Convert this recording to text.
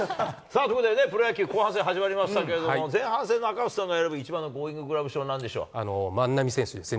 さあ、プロ野球後半戦始まりましたけれども、前半戦の赤星さんが選ぶ一番のゴーインググラブ万波選手ですね。